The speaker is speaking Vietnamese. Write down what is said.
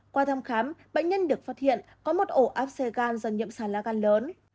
qua thăm khám bệnh nhân được phát hiện có một ổ áp xe gan do nhiễm xà lá gan lớn